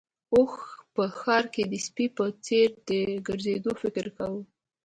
اوښ په ښار کې د سپي په څېر د ګرځېدو فکر کوي.